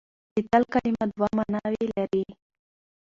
د تل کلمه دوه ماناوې لري.